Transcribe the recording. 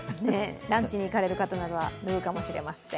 ランチに行かれる方などは脱ぐかもしれません。